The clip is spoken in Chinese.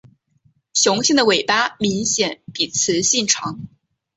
雄性的尾巴明显比雌性长。